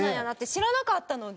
知らなかったので。